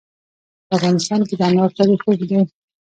په افغانستان کې د انار تاریخ اوږد دی.